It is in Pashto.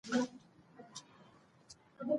پابندی غرونه د افغانستان د طبیعي پدیدو یو رنګ دی.